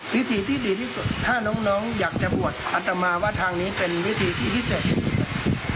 วิธีที่ดีที่สุดถ้าน้องอยากจะบวชอัตมาว่าทางนี้เป็นวิธีที่พิเศษที่สุด